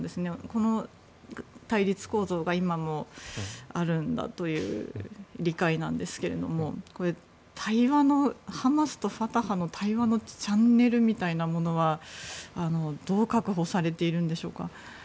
この対立構造が今もあるんだという理解なんですけどハマスとファタハの対話のチャンネルみたいなものはどうやって確保されているんでしょうか。